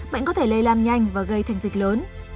bệnh có thể lây lan nhanh và gây thành dịch lớn